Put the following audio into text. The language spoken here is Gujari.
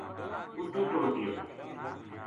اُتو ٹر گیو